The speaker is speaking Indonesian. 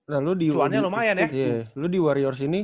nah lu di warriors ini